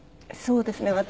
そうですね。